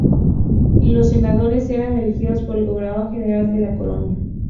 Los senadores eran elegidos por el Gobernador General de la colonia.